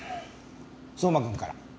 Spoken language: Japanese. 相馬君から。